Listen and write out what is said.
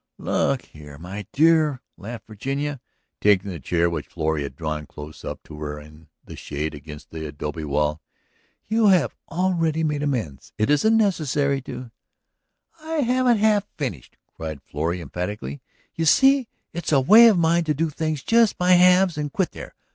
"Look here, my dear," laughed Virginia, taking the chair which Florrie had drawn close up to her own in the shade against the adobe wall, "you have already made amends. It isn't necessary to ..." "I haven't half finished," cried Florrie emphatically. "You see it's a way of mine to do things just by halves and quit there.